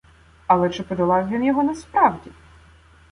Але чи подолав він його насправді?